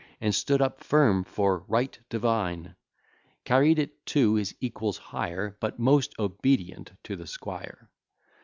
And stood up firm for "right divine;" Carried it to his equals higher, But most obedient to the squire.